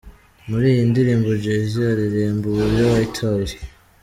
Muri iyi ndirimbo Jay-Z aririmba uburyo White House.